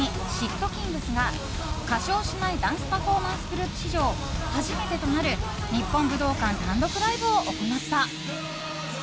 ｔｋｉｎｇｚが歌唱しないダンスパフォーマンスグループ史上初めてとなる日本武道館単独ライブを行った。